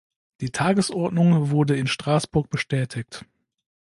Die Tagesordnung wurde in Straßburg bestätigt.